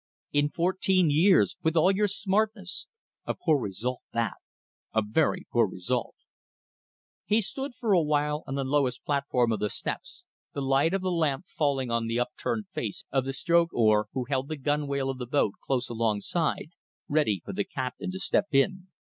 In fourteen years. With all your smartness! A poor result that. A very poor result." He stood for awhile on the lowest platform of the steps, the light of the lamp falling on the upturned face of the stroke oar, who held the gunwale of the boat close alongside, ready for the captain to step in.